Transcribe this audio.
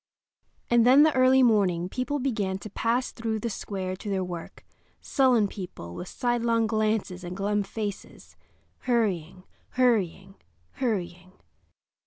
And then the early morning people began to pass through the square to their work—sullen people, with sidelong glances and glum faces, hurrying, hurrying, hurrying.